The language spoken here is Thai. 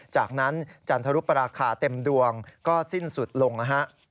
จากนั้นจันทรุปราคาเต็มดวงก็สิ้นสุดลงนะฮะ